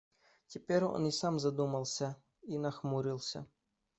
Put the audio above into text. Теперь он и сам задумался и нахмурился.